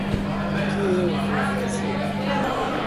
O que eu vou fazer?